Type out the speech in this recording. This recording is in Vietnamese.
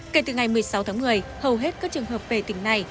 kể từ ngày một mươi sáu tháng một mươi hầu hết các trường hợp về tỉnh này